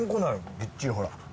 びっちりほら。